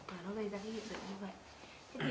và nó dây ra cái diện dựng như vậy